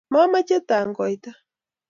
Mamoche tangoita.